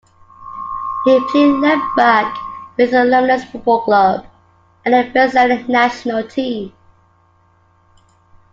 He played left-back with Fluminense Football Club and the Brazilian national team.